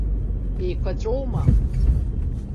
Еиқәаҵәоума?